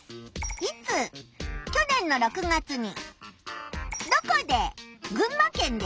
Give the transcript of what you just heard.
「いつ」去年の６月に。